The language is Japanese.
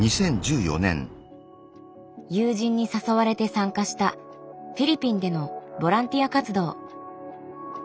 友人に誘われて参加したフィリピンでのボランティア活動。